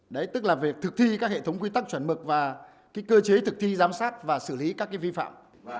đấy tức là về thực thi các hệ thống quy tắc chuẩn mực và cơ chế thực thi giám sát và xử lý các vi phạm